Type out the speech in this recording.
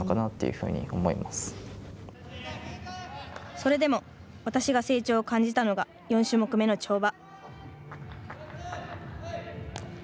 それでも私が成長を感じたのが４種目目の跳馬。